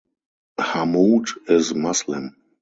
Hammoud is Muslim.